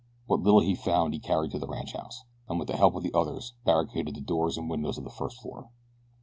What little he found he carried to the ranchhouse, and with the help of the others barricaded the doors and windows of the first floor.